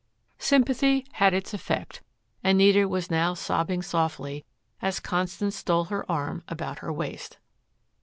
Sympathy had its effect. Anita was now sobbing softly, as Constance stole her arm about her waist.